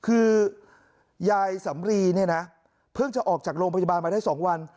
คือยายสำรีเนี่ยนะเพิ่งจะออกจากโรงพยาบาลมาได้๒วัน